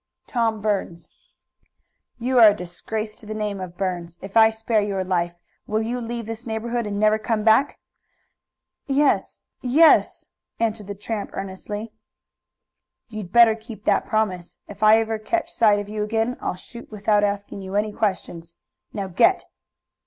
"Tom Burns." "You are a disgrace to the name of Burns. If I spare your life will you leave this neighborhood and never come back?" "Yes yes!" answered the tramp earnestly. "You'd better keep that promise. If I ever catch sight of you again I'll shoot without asking you any questions! Now get!"